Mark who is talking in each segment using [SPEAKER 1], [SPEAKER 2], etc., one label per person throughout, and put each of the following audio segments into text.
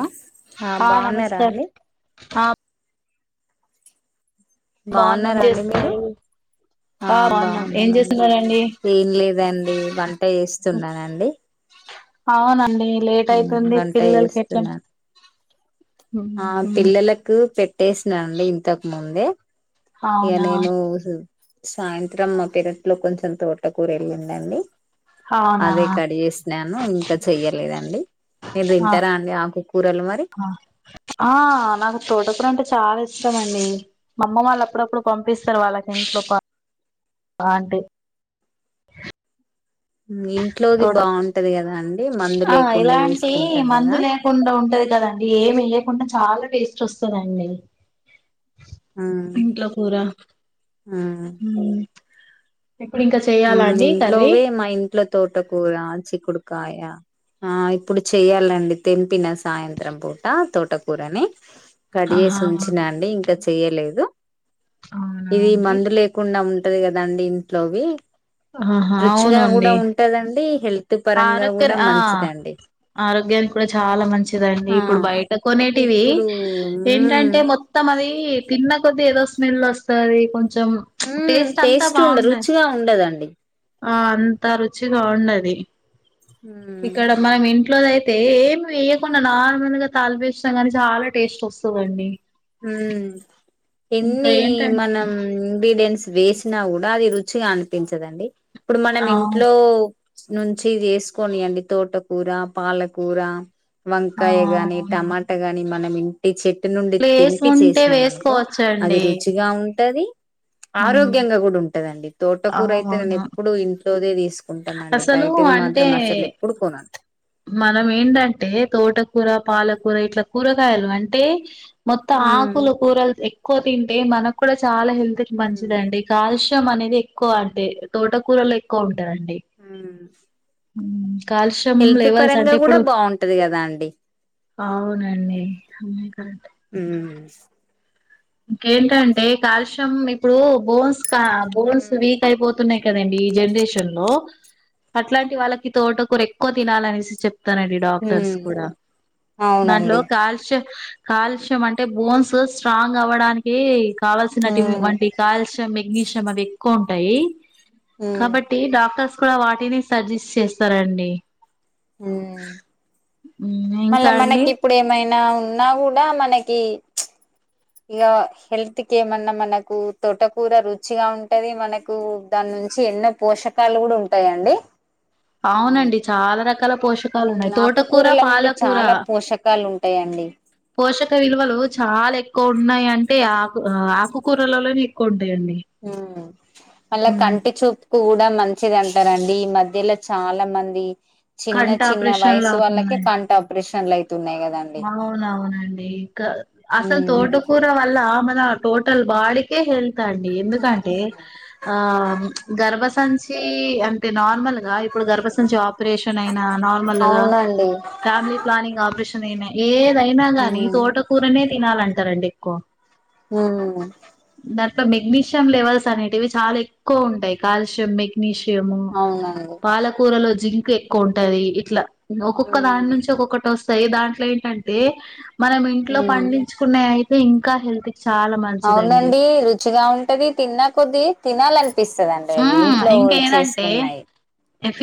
[SPEAKER 1] ఆ హా
[SPEAKER 2] ఆ
[SPEAKER 1] బావున్నారా
[SPEAKER 2] నమస్కారం
[SPEAKER 1] అండి?
[SPEAKER 2] ఆ బాగున్నాం
[SPEAKER 1] బావున్నారా అండి మీరు
[SPEAKER 2] చేస్తున్నారు
[SPEAKER 1] ఆ
[SPEAKER 2] బాగున్నాం ఏం
[SPEAKER 1] బావున్నామండి
[SPEAKER 2] చేస్తున్నారండి
[SPEAKER 1] ఏం లేదు రండి వంట చేస్తున్నానండి.
[SPEAKER 2] అవునండి లేట్
[SPEAKER 1] ఉమ్
[SPEAKER 2] అయితుంది
[SPEAKER 1] వంట
[SPEAKER 2] పిల్లలకి ఎట్లా
[SPEAKER 1] చేస్తున్నాను. ఆ పిల్లలకు పెట్టేసినండి ఇంతకు ముందే ఇగ
[SPEAKER 2] అవునా
[SPEAKER 1] నేను ఉహ్ సాయంత్రం మా పెరట్లో కొంచం తోటకూర వెళ్ళిందండి.
[SPEAKER 2] అవునా
[SPEAKER 1] అదే కట్ జేసినాను ఇంకా చెయ్యలేదండి. మీరు
[SPEAKER 2] ఆహా
[SPEAKER 1] తింటారా అండి ఆకుకూరలు మరి?
[SPEAKER 2] ఆ నాకు తోటకుర అంటే చాలా ఇ ఇస్టమండి మా అమ్మ వాళ్ళు అప్పుడప్పుడు పంపిస్తారు. వాళ్ళకి ఇంట్లో ప ఆంటీ
[SPEAKER 1] మీ ఇంట్లోది
[SPEAKER 2] తోట
[SPEAKER 1] బావుంటది కదా అండి. మందు
[SPEAKER 2] ఆ
[SPEAKER 1] లేకుండా
[SPEAKER 2] ఇలాంటి
[SPEAKER 1] చేసుకుంటాం
[SPEAKER 2] మందు
[SPEAKER 1] కదా
[SPEAKER 2] లేకుండా ఉంటది కదండి. ఏమి మొన్న చాలా టేస్ట్ వస్తుందండి. ఇంట్లో కూరా ఉమ్
[SPEAKER 1] ఉమ్
[SPEAKER 2] కర్రీ
[SPEAKER 1] ఇంట్లోవే మా ఇంట్లో తోటకూర, చిక్కుడుకాయ ఆ ఇప్పుడు చెయ్యాలండి తెంపిన సాయంత్రం పూట తోటకూరని. కడ్ చేసి
[SPEAKER 2] ఆహా
[SPEAKER 1] ఉంచినండి ఇంకా చెయలేదు
[SPEAKER 2] అవునా
[SPEAKER 1] ఇది
[SPEAKER 2] అండి
[SPEAKER 1] మందు లేకుండా ఉమ్ ఉంటది కదండి ఇంట్లోవి రుచిగా కూడా ఉంటదండి. హెల్త్ పరంగా
[SPEAKER 2] ఆరక్కర్
[SPEAKER 1] కూడా
[SPEAKER 2] ఆ
[SPEAKER 1] మంచిదండి
[SPEAKER 2] ఆరోగ్యానికి కూడా చాలా మంచిదండి.
[SPEAKER 1] ఆ
[SPEAKER 2] ఇప్పుడు బయట కొనేటివి
[SPEAKER 1] ఇప్పుడు మ్మ్
[SPEAKER 2] ఏంటంటే మొత్తం మది తిన్న కొద్ది ఏదో స్మెల్ వస్తది కొం చమ్ ప్చ్
[SPEAKER 1] మ్మ్
[SPEAKER 2] టేస్ట్ అంతా
[SPEAKER 1] ఉండ
[SPEAKER 2] బావుంటది.
[SPEAKER 1] రుచిగా ఉండదండి
[SPEAKER 2] ఆ అంతా రుచిగా ఉండది
[SPEAKER 1] మ్మ్
[SPEAKER 2] ఇక్కడ మనమ్ ఇంట్లోది అయి అయితే ఏమి వేయకుండా నార్మల్ గా తాలింపు వేసిన గానీ చాలా టేస్ట్ వస్తదండి.
[SPEAKER 1] ఉమ్
[SPEAKER 2] ఇంకా
[SPEAKER 1] ఎన్ని
[SPEAKER 2] ఏంటంటే
[SPEAKER 1] మనం మ్ బిదేన్స్ వేసినా కూడా అది రుచిగా అనిపించదండి. ఇప్పుడు మనం
[SPEAKER 2] ఆ
[SPEAKER 1] ఇంట్లో నుంచి ఇది వేసుకోనియండి తోటకూర, పాలకూర
[SPEAKER 2] ఆ
[SPEAKER 1] వంకాయ గాని
[SPEAKER 2] అవును
[SPEAKER 1] టమాటా గాని మనం ఇంటి చెట్టు నుండి
[SPEAKER 2] ప్లేస్
[SPEAKER 1] తెంపి
[SPEAKER 2] ఉంటే
[SPEAKER 1] చేసినాం అనుకో అది
[SPEAKER 2] వేసుకోవచ్చండి
[SPEAKER 1] రుచిగా ఉంటది ఆరోగ్యంగా కూడా ఉంటదండి
[SPEAKER 2] ఆ
[SPEAKER 1] తోటకూర అయితే నేను
[SPEAKER 2] అవును
[SPEAKER 1] ఎప్పుడు ఇంట్లోదే తీసుకు
[SPEAKER 2] అసలు అంటే
[SPEAKER 1] కొనను
[SPEAKER 2] మనం ఏంటంటే తోట కూర పాలకూర ఇట్లా కూరగాయలు అంటే మొత్తం
[SPEAKER 1] హ్మ్
[SPEAKER 2] ఆకులు కూరల్ ఇ క్కువ తింటే మనక్ కూడా చాలా హెల్త్క్ మంచిదండి.
[SPEAKER 1] హ్మ్
[SPEAKER 2] కాల్ష్ తో మనేది ఎక్కువంటే తోటకూరల్ ఎక్కువుంటాయండి.
[SPEAKER 1] ఊమ్
[SPEAKER 2] ఉమ్ కాలుష్యం లేవల్స్ అంటే ఇప్పుడు
[SPEAKER 1] బాగుంటది కదా అండి
[SPEAKER 2] అవునండి
[SPEAKER 1] హ్మ్
[SPEAKER 2] ఇంకేంటంటే కాల్షియం ఇప్పుడు బోన్స్ కా బోన్స్
[SPEAKER 1] ఉమ్
[SPEAKER 2] వీక్ ఐపోత్ తునయ్ కదండి ఈ జనరేషన్ లో అట్లాంటి వాళ్ళకి తోటకూర ఎక్కువ తినాలసి చెప్ కానండి డాక్టర్స్
[SPEAKER 1] ఉమ్
[SPEAKER 2] కూడా దాంట్లో
[SPEAKER 1] అవునండి
[SPEAKER 2] కాల్షియం కాలుష్యం అంటే బోన్సు స్ట్రాంగ్ అవ్వడానిక్ ఈ కావల్సినటిమ్
[SPEAKER 1] ఉమ్
[SPEAKER 2] వంటి కాల్షయం మెగ్నీష్యం అవి ఎక్కువుంటాయి
[SPEAKER 1] ఉమ్
[SPEAKER 2] కాబట్టి డాక్టర్స్ కూడ వాటిని సజెస్ట్ చేస్తారండి
[SPEAKER 1] ఉమ్
[SPEAKER 2] ఇంకా
[SPEAKER 1] మళ్ళా
[SPEAKER 2] అండి
[SPEAKER 1] మనకిప్పుడేమైనా ఉన్నా కూడా మనకి చ్ ఇగ హెల్త్ కెమన్నా మనకు తోటకూర రుచిగా ఉంటది మనకు ద నుంచి ఎన్నో పోషకాలు గుడుంటాయండి
[SPEAKER 2] అవ్నండి చాలా రకాల పోష్
[SPEAKER 1] ఉమ్ నాకుకూరనుండి చాలా పోషకాల్ ఉంటాయండి
[SPEAKER 2] పోషక విలువలు చాలేక్కువున్నాయంటే ఆకు ఆ ఆకుకూరలలోనే ఎక్కువుంట్
[SPEAKER 1] ఉమ్ అళ కంటి చూప్ కూడ్ ద మంచిదంటారండి ఈ మధ్యలో చాలా మంది చిన్న
[SPEAKER 2] కంట
[SPEAKER 1] చిన్న
[SPEAKER 2] ఆపరేషన్లు
[SPEAKER 1] వయస్ వాళ్ళకి
[SPEAKER 2] అవుతున్నాయి
[SPEAKER 1] కంటప్రేషన్
[SPEAKER 2] అవునవునండి ఇకా అసల్ తోటకూర వల్ల మన టోటల్ బాడీకే హెల్తండి ఎందుకంటే ఆ గర్బసంచ్ చీ అంటే నార్మల్ ఇగ ఇప్పుడ్ గర్బసంచి ఆప్రేషన్ ఐన నార్మల్గా
[SPEAKER 1] అవునండి
[SPEAKER 2] ఫ్యామ్లీ ప్లానింగ్ ఆప్రేష్ ఐన ఏదైనా గాని తోటకూరనే తినాలంటారండి ఎక్కువ
[SPEAKER 1] ఊ
[SPEAKER 2] దాంట్లో మెగ్నీష్యం లెవెల్స్ అనేటివి చాలెక్కువుంటాయి కాల్షియం మెగ్నీష్ కేమో
[SPEAKER 1] అవునండి
[SPEAKER 2] పాలకూరలో జింక్ ఎక్కువుంటది ఇట్లా ఒకొక్క దానుంచి ఒకొక్కటస్తాయి దాంట్లోఎంటంటే మనం ఇంట్లో పండించ్కునయైతే ఇంకా హెల్త్ కి చాలా మంచిదండి
[SPEAKER 1] అవ్నండి రుచిగా ఉంటది తిన్నా కొద్ది తినాలన్ ప్పిస్తదండి అవి
[SPEAKER 2] మ్మ్
[SPEAKER 1] ఇంట్లో
[SPEAKER 2] ఇంకా ఏదంటే
[SPEAKER 1] చేస్కున్నాయ్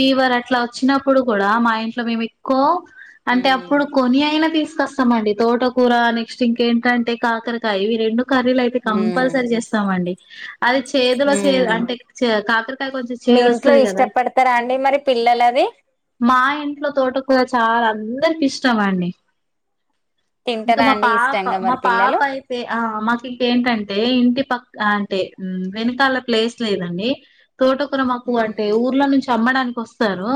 [SPEAKER 1] ఉమ్
[SPEAKER 2] చినప్పుడు కూడా మా ఇంట్లో మేమేక్కువ అంటే అప్పుడు కొనియైన తీస్ కోస్తామండి తోటకూర నెక్స్ట్ ఇంకేంటంటే కాకర్కాయ్ ఇవి రెండు కర్రీలైతే కంపల్సరీ చేస్తామండి అది చేదులో చేద్ అంటే చె కాకరకాయ్ కొంచెం
[SPEAKER 1] మీ ఇంట్లో
[SPEAKER 2] చేదోస్తాది గదా
[SPEAKER 1] ఇష్టపడతారా అండి మరి పిల్లలు అది
[SPEAKER 2] మా ఇంట్లో తోటకూర చాలా అందరికిష్టమండి ఇంకా
[SPEAKER 1] తింటారా
[SPEAKER 2] మా
[SPEAKER 1] అండి
[SPEAKER 2] పాప
[SPEAKER 1] ఇష్టంగా
[SPEAKER 2] మా
[SPEAKER 1] మరి పిల్లలు
[SPEAKER 2] పాపైతే ఆ మాకీంకేంటంటే ఇంటి పక్ అంటే ఉమ్ వెనకాల ప్లేస్ లేదండి తోటకూర మాకు అంటే ఊర్లో నుంచ్ అమ్మడానికొస్తారు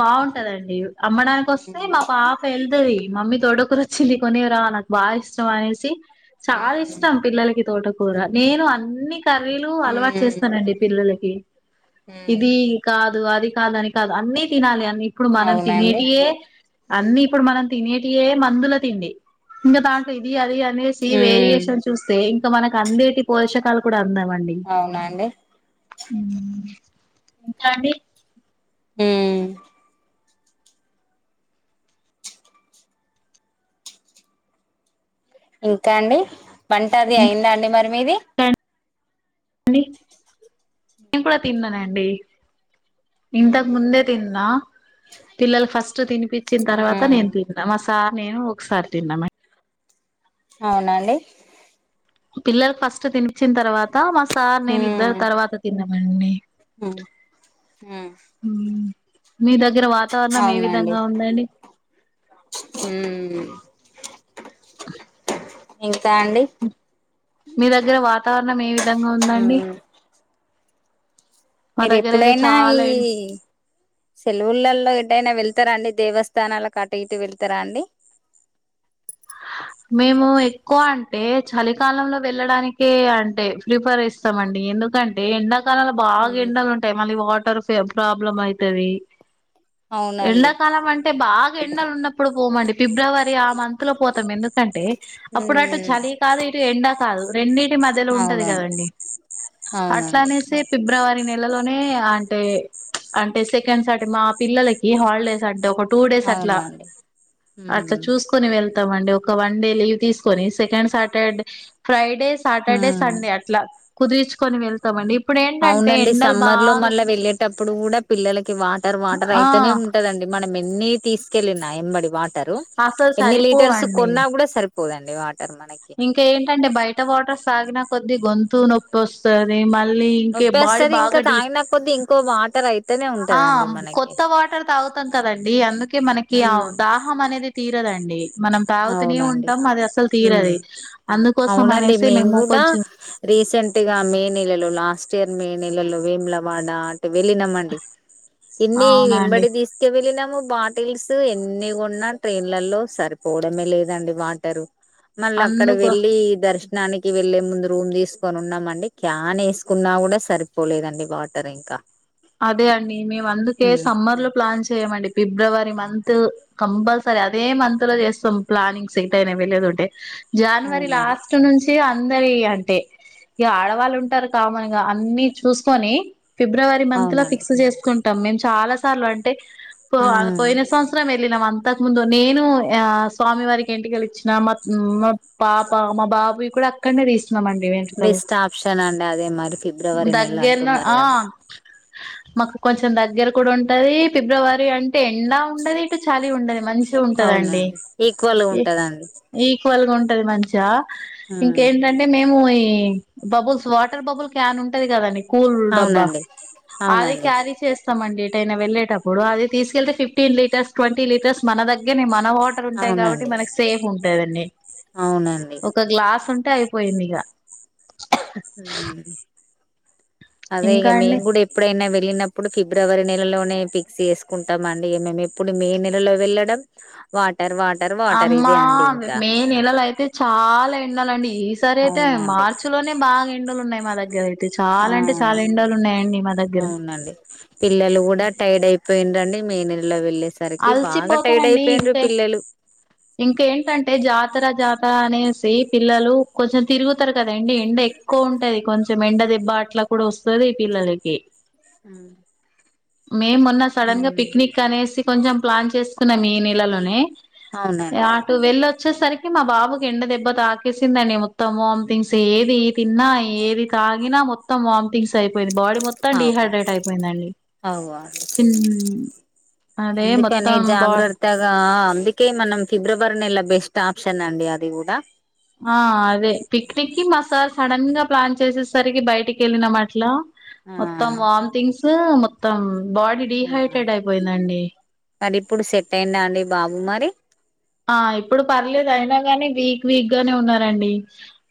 [SPEAKER 2] బావుంటదండి అమ్మడానికోస్తే మా పాపెళ్తది మమ్మీ తోటకురొచ్చింది కొనేరా నాక్ బాఇష్టం అనేసి చాలిష్టం పిల్లలకి తోటక్ కూర నేను అన్ని కర్రీలు అలవాట్ చేస్తానండి పిల్లలకి ఇది కాదు అది కాదని కాద్ అన్నీ తినాలి అన్ నీపుడు మనం
[SPEAKER 1] అవునండి
[SPEAKER 2] తినేటియే అన్ని ఇప్పుడ్ మనం తినేటియే మందుల తిండి ఇంకా దాంట్లో ఇది అది అనేసి వేరియేషన్ చూస్తే ఇంకా మనక్ అందేటి పోషకాల్ కూడా అందవండి
[SPEAKER 1] అవ్నా అండి.
[SPEAKER 2] ఇంకా అండి.
[SPEAKER 1] హుమ్ ఇంకాండీ వంట అది
[SPEAKER 2] ఇంకా
[SPEAKER 1] అయిందా అండి మరి మీది
[SPEAKER 2] నేను కూడా తిన్నానండి ఇంతక్
[SPEAKER 1] హ్మ్
[SPEAKER 2] ముందే తిన్నా పిల్లల్ ఫస్ట్ తినిపిచ్చిన్ తర్వాత
[SPEAKER 1] హ్మ్
[SPEAKER 2] నేన్ తింటా మా సార్ నేను ఒకసార్ తిన్నాం.
[SPEAKER 1] అవునండి.
[SPEAKER 2] పిల్లలక్ ఫస్ట్ తినిపిచ్చిన్ తర్వాత మా సార్ నేను ఇద్దర్
[SPEAKER 1] హ్మ్
[SPEAKER 2] తర్వాత తిన్నమండి.
[SPEAKER 1] హ్మ్ హ్మ్
[SPEAKER 2] మ్ మీ దగ్గర వాతావరణం ఏ విధంగా ఉందండి.
[SPEAKER 1] మ్
[SPEAKER 2] మీ దగ్గర వాతావరణం ఏ విధంగా ఉందండి. మా దగ్గర అయితే
[SPEAKER 1] మీరెప్పుడైనా ఈ
[SPEAKER 2] చాలా ఎ
[SPEAKER 1] సెలవులల్లో ఎటైనా వెళ్తారండీ. దేవస్థానాలక్ అటు ఇటు వెళ్తరా అండి.
[SPEAKER 2] మేము ఎక్కువ అంటే చలికాలంలో వెళ్ళడానికే అంటే ప్రిఫర్ చేస్తామండి. ఎందుకంటే ఎండాకాలంలో బాగా
[SPEAKER 1] హ్మ్
[SPEAKER 2] ఎండలుంటయి మళ్ళీ వాటర్ ఫె ప్రాబ్లమైతది.
[SPEAKER 1] అవునండి
[SPEAKER 2] ఎండాకాలం అంటే బాగా ఎండలున్నప్పుడు పోమండి పిబ్రవరి ఆ మంత్లో పోతాం ఎందు టే అప్పుడు అటు
[SPEAKER 1] హ్మ్
[SPEAKER 2] చలి కాదు ఇటు ఎండ కాదు రెండి టి మధ్యలో ఉంటంది
[SPEAKER 1] అవునండి
[SPEAKER 2] కదండీ అట్ల
[SPEAKER 1] అవునండి
[SPEAKER 2] అనేసి పిబ్రవరి నె నెలలోనే అంటే అంటే సెకండ్ సాటర్ మా పిల్లలకి హాల్డేస్ అంటే ఒక టూ డేస్ అట్లా
[SPEAKER 1] అవునండి
[SPEAKER 2] అట్ల
[SPEAKER 1] హ్మ్
[SPEAKER 2] చూస్కొని వెళ్తమండి. ఒ ఒక వన్ డే లీవ్ తీస్కొని సెకండ్ సాటర్డే ఫ్రైడే సాటర్డే
[SPEAKER 1] హ్మ్
[SPEAKER 2] సండే అట్లా కుదిర్చికొని వెళ్తమండి.
[SPEAKER 1] అవునండి సమ్మర్లో మళ్ళ వెళ్ళేటప్పుడు గూడా పిల్లలకి వాటర్ వాటర్
[SPEAKER 2] ఆ
[SPEAKER 1] అయితనే ఉంటదండి మన మెన్నీ తీస్కెళ్ళిన ఎంబడి వాటరు
[SPEAKER 2] అసలు
[SPEAKER 1] ఎన్ని లీటర్స్
[SPEAKER 2] సరిపోవండి
[SPEAKER 1] కొన్నా గుడా సరిపోదండి వా
[SPEAKER 2] ఇంకేంటంటే బయట వాటర్ సాగినా కొద్దీ గొంతు నొప్పోస్తది మ మళ్ళీ ఇంకే బాడీ
[SPEAKER 1] నొప్పేస్తది ఇంకా
[SPEAKER 2] బాగా డి
[SPEAKER 1] తాగిన కొద్ది ఇంకో వాటర్ అయితేనే ఉంటదండి
[SPEAKER 2] ఆమ్
[SPEAKER 1] మనకి
[SPEAKER 2] కొత్త వాటర్ తాగుతాం కదండి అందుకే మనకి ఆ
[SPEAKER 1] ఉమ్
[SPEAKER 2] దాహం అనేది తీరదం
[SPEAKER 1] అవునండి మ్
[SPEAKER 2] తీరది అందుకోసం
[SPEAKER 1] అవునండి
[SPEAKER 2] అనేసి
[SPEAKER 1] మేం
[SPEAKER 2] మేము
[SPEAKER 1] గుడా
[SPEAKER 2] కొంచెం
[SPEAKER 1] రీసెంట్గా మే నెలలో లాస్ట్ ఇయర్ మే నెలలో వేములవాడ, వెళ్ళినమండి ఇన్ని
[SPEAKER 2] అవునండి
[SPEAKER 1] వింబడి తీస్క వెళ్ళినం మ్ బాటిల్స్ ఎన్ని గొన్నా ట్రైన్లలో సరిపోవడమే లేదండి వాటరు మళ్ళ అక్కడ
[SPEAKER 2] అందుకు
[SPEAKER 1] వెళ్ళీ దర్శ నానికి వెళ్లేముందు రూమ్ తీస్కున్ ఉన్నామండి క్యాన్ ఏస్కున్నా గుడా సరిపోలేదండి వాటర్ ఇంకా
[SPEAKER 2] అదే అండి మేమందుకే సమ్మర్లో ప్లాన్ చేయమండి. పిబ్రవరి మంత్ కంపల్సరీ అదే మంత్లో చేస్తాం ప్లానింగ్స్ ఎటైన వెళ్లేదుంటే జానవరి
[SPEAKER 1] అవునండి
[SPEAKER 2] లాస్ట్ నుంచి అ అందరీ అంటే ఇగ ఆడవాళ్ళు ఉంటార్ కామన్గా అన్ని చూస్కొని ఫిబ్రవరి మంత్ల
[SPEAKER 1] అవునండి
[SPEAKER 2] ఫిక్స్ జేస్కుంటాం మేం చాలా సార్లంటే పో ఆ పోయిన సంవత్సరం ఎల్లినం. అ అంతక్ ముందు నేను ఆ స్వామి వారికి ఎంటికలిచ్చిన మా మా పాప, మా బాబుయి కూడా అక్కనే దీస్ చ్చినమండి వెంట్రుకలు
[SPEAKER 1] బెస్ట్ ఆప్షన్ అండి అదే మరి ఫిబ్రవరి నెల
[SPEAKER 2] దగ్గర్న
[SPEAKER 1] అంటున్నారు
[SPEAKER 2] ఆ
[SPEAKER 1] కదా
[SPEAKER 2] మాకు కొంచెం దగ్గర కూడా ఉంటది ఫిబ్రవరి అంటే ఎండా ఉండది ఇటు చలీ ఉండది మంచి గుంటదండి
[SPEAKER 1] అవునండి ఈక్వల్గా
[SPEAKER 2] ఇక్
[SPEAKER 1] ఉంటదండి
[SPEAKER 2] ఈక్వల్గా ఉం టది మంచిగా ఇంకేంటంటే మేము ఈ ఈ బబుల్స్ వాటర్ బబుల్ క్యాన్ ఉంటది గదండి కూల్ డబ్బా
[SPEAKER 1] అవునండి
[SPEAKER 2] అది
[SPEAKER 1] అవునండి
[SPEAKER 2] క్యారీ చేస్ మండి ఎటయినా వెళ్ళేటపుడు అది తీసుకెళ్తే ఫిఫ్టీన్ లీటర్స్ ట్వంటీ లీటర్స్ మన దగ్గర్నె మన్ ల్ల వాటర్ ఉంటాయి కాబట్టి
[SPEAKER 1] అవునండి
[SPEAKER 2] మనకు సేఫ్ ఉంటదండి
[SPEAKER 1] అవునండి
[SPEAKER 2] ఒక గ్లాస్ ఉంట్ తయ్ పోయింది ఇగ
[SPEAKER 1] సరే అదే ఇగ
[SPEAKER 2] ఇంకా అండి
[SPEAKER 1] మేం గుడ ఎప్పుడైనా వే అడిగినప్పుడు ఫిబ్రవరి నెలలోనే ఫిక్స్ చేస్కుంటాం అండి ఇగ మేము ఎప్పుడు మే నెలలో వెళ్ళడం వా
[SPEAKER 2] అమ్మా మే నెలల అయితే చ చాలా ఎండలు అండి ఈ సారి అయితే
[SPEAKER 1] అవునండి
[SPEAKER 2] మార్చి లోనే బాగా ఎండలు ఉన్నాయి మా దగ్గర అయితే అయితే
[SPEAKER 1] ఆ
[SPEAKER 2] చాలా అంటే చాలా ఎండలు ఉన్నాయండి మా దగ్గర
[SPEAKER 1] ఏండండి మే నెలలో వేలే
[SPEAKER 2] అల్సిపోతారండి ఇంక ఇంకేంటంటే జా జాతర జాతర అనేసి పిల్లలు కొంచెం తిరుగుతారు కదండి ఎండ ఎక్కువ ఉంటుది కొంచెం ఎండ దెబ్బా అట్లా కూడా వస్తది పిల్లలకి
[SPEAKER 1] ఉమ్
[SPEAKER 2] మేం మొన్న సడన్ గా
[SPEAKER 1] ఉమ్.
[SPEAKER 2] పిక్నిక్ అనేసి కొంచెం ప్లాన్ చేసుకున్నాం మే నెలలోనే
[SPEAKER 1] అవునండి
[SPEAKER 2] అట్టు వెళ్ళ వచ్చేసరికి మా బాబుకి ఎండ దెబ్బ తాకేసిందని మొత్తం వమిటింగ్స్ ఏది తిన్నా ఏది తాగిన మొత్తం వామిటింగ్స్ అయిపోయి బాడీ మొత్తం
[SPEAKER 1] అవు
[SPEAKER 2] డిహైడ్రేట్ అయిపోయిందండి
[SPEAKER 1] అవు అండి
[SPEAKER 2] చిన్ అదే
[SPEAKER 1] అందుకనే
[SPEAKER 2] మొత్తం బా
[SPEAKER 1] జాగ్రత్తగా ఆ అందుకే మనం ఫిబ్రవరి నెల బెస్ట్ ఆప్షన్ అండి అది కూడా
[SPEAKER 2] ఆ అదే పిక్నిక్ కి మా సార్ సడన్ గా ప్లాన్ చేసేసరికి బయటికి వెళ్ళినం అట్లా
[SPEAKER 1] ఆ
[SPEAKER 2] మొత్తం వొమిటింగ్స్ మొత్తం బాడీ
[SPEAKER 1] అవునండి
[SPEAKER 2] డిహైడ్రేట్ అయిపోయిందండి
[SPEAKER 1] మరి ఇప్పుడు సెట్ అయ్యిందా అండి బాబు మరి
[SPEAKER 2] ఆ ఇప్పుడు పర్లేదు అయినా గాని వీక్ వీక్ గానే ఉన్నారండి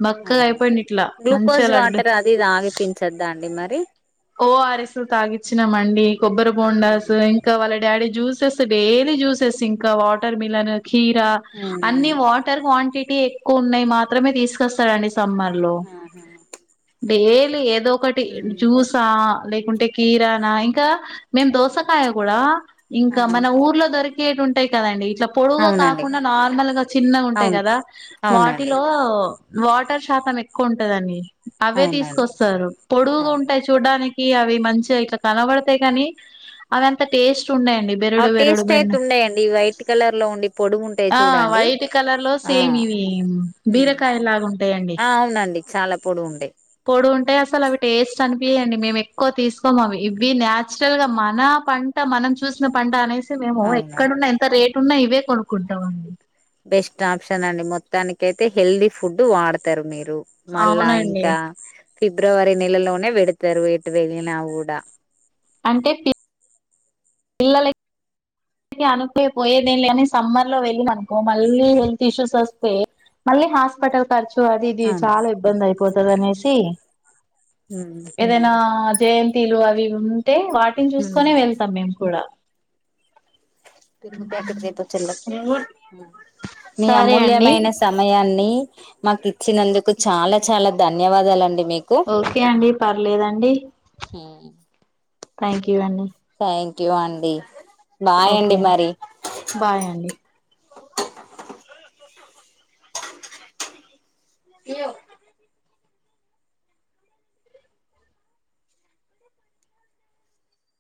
[SPEAKER 2] బక్కగా
[SPEAKER 1] అవును
[SPEAKER 2] అయిపోయిడిట్లా
[SPEAKER 1] గ్లూకోజ్
[SPEAKER 2] మంచిగా లడ్డు
[SPEAKER 1] వాటర్ అది ఇది తాగిపించద్దా అండి మరి
[SPEAKER 2] ఓఆర్‌ఎస్లు తగిచినంఅండి కొబ్బరి బోండాస్
[SPEAKER 1] ఉమ్
[SPEAKER 2] ఇంకా వాళ్ళ డాడీ జ్యూస్ జూసె డైలీ జ్యూసెస్ ఇంకా వాటర్ మిలన్ కీరా అన్ని వాటర్ క్వాంటిటీ ఎక్కువ ఉన్నాయి మాత్రమే తీసుకొస్తారండి సమ్మర్ లో డైలీ ఏదో ఒకటి
[SPEAKER 1] ఉమ్
[SPEAKER 2] జ్యూసహ లేకుంటే కీరానా ఇంకా మేం దోసకాయ కూడా
[SPEAKER 1] ఆ
[SPEAKER 2] ఇంకా మన ఊర్లో దొరికేటు ఉంటాయి కదండి ఇట్లా పొడుగుగా
[SPEAKER 1] అవునండి
[SPEAKER 2] కాకుండా నార్మల్గా చిన్నగా ఉంటాయి
[SPEAKER 1] అవును
[SPEAKER 2] కదా
[SPEAKER 1] అవునండి
[SPEAKER 2] వాటిలో వాటర్ శాతం ఎ క్కువుంటది అని అవే
[SPEAKER 1] అవునండి
[SPEAKER 2] తీసుకొస్తారు పొడుగుగా
[SPEAKER 1] అవును
[SPEAKER 2] ఉంటాయి చు అవి మంచిగా ఇట్లా కనబడితయి కానీ అవి అంత టేస్ట్ ఉయండి బెరుడు
[SPEAKER 1] అవి
[SPEAKER 2] బెరుడు
[SPEAKER 1] టేస్ట్
[SPEAKER 2] బె
[SPEAKER 1] అయితుండయండి వైట్ కలర్ లో ఉండి పొడుగుంటాయి
[SPEAKER 2] హ
[SPEAKER 1] చూడండి
[SPEAKER 2] వైట్ కలర్ లో
[SPEAKER 1] ఆ
[SPEAKER 2] సేమ్ ఇవి
[SPEAKER 1] ఉమ్
[SPEAKER 2] బీరకాయ లాగా ఉంటాయండి
[SPEAKER 1] ఆ అవునండి చాలా పొడుగుంటాయి
[SPEAKER 2] పొడు ఉంటాయి అసలు అవి టేస్ట్ అనిపియ్యవండి మేము ఎక్కువ తీసుకోమము ఇవి నచురల్ గా మన పంట మనం చూసిన పంట అనేసి మేము
[SPEAKER 1] అవునండి
[SPEAKER 2] ఎక్కడున్న ఎంత రేటు ఉన్నా ఇవే కొనుక్కుంటంఅండి
[SPEAKER 1] బెస్ట్ ఆప్షన్ అండి మొత్తానికి అయితే హెల్దీ ఫుడ్ వాడతారు మీరు మళ్ళా
[SPEAKER 2] అవునండి
[SPEAKER 1] ఇంకా ఫిబ్రవరి నెలలో వేడతారు ఎట్టు వెళ్ళిన ఊడా
[SPEAKER 2] అంటే పి పిల్లల కి అనుకుపోయేదేం లే సమ్మర్ లో వెళ్లినం అనుకో మళ్ళీ హెల్త్ ఇష్యూస్ ఒస్తే మళ్ళీ హాస్పిటల్ ఖర్చు అది ఇది
[SPEAKER 1] అవునా
[SPEAKER 2] చాలా ఇబ్బంది అయిపోతుంది అనేసి ఏదైనా జయంతిలు అవి ఇవి ఎం అన్నా ఉంటే వాటిని చూసుకొనే వెళ్తాం మేము కూడా
[SPEAKER 1] మీ
[SPEAKER 2] సరే అండి
[SPEAKER 1] అమూల్యమైన సమయాన్ని మాకి ఇచ్చినందుకు చాలా చాలా ధన్యవాదాలండి. మీకు
[SPEAKER 2] ఓకే అండి పర్లేదండి. థ్యాంక్ యు అండి.
[SPEAKER 1] థ్యాంక్ యూ అండి. బాయ్
[SPEAKER 2] ఓకే
[SPEAKER 1] అండి మరి.
[SPEAKER 2] బాయ్ అండి